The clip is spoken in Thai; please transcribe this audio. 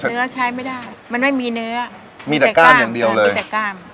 ใช้ไม่ได้มันไม่มีเนื้อมีแต่กล้ามอย่างเดียวมีแต่กล้าม